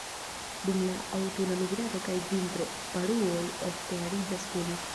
Dum la aŭtuna migrado kaj vintro, paruoj ofte ariĝas kune.